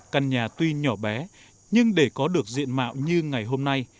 căn nhà tuy nhỏ bé nhưng để có được diện mạo như ngày hôm nay